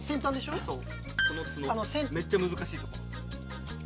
めっちゃ難しいとこ。